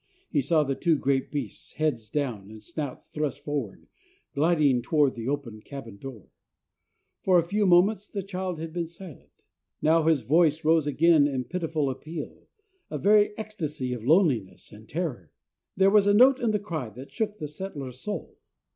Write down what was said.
He saw the two great beasts, heads down and snouts thrust forward, gliding toward the open cabin door. For a few moments the child had been silent. Now his voice rose again in pitiful appeal, a very ecstasy of loneliness and terror. There was a note in the cry that shook the settler's soul.